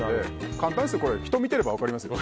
簡単ですよ。